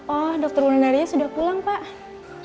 oh dokter wundaria sudah pulang pak